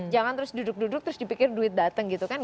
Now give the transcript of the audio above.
jangan terus duduk duduk terus dipikir duit datang gitu kan